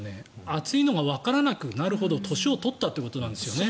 暑いのがわからなくなるほど年を取ったということなんですよね。